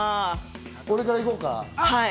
俺から行こうか？